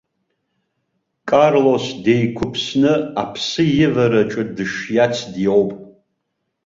Карлос деиқәыԥсны аԥсы ивараҿы дышиац диоуп.